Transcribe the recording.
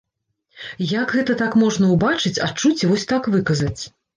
Як гэта так можна ўбачыць, адчуць і вось так выказаць?